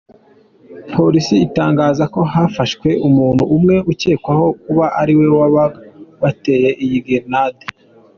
Polisi itangaza ko hafashwe umuntu umwe, ucyekwaho kuba ari we waba wateye iyo gerenade.